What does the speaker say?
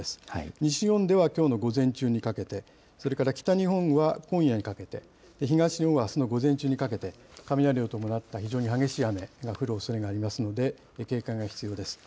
西日本ではきょうの午前中にかけて、それから北日本は今夜にかけて、東日本はあすの午前中にかけて、雷を伴った非常に激しい雨が降るおそれがありますので、警戒が必要です。